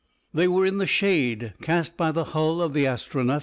They were in the shade cast by the hull of the Astronef.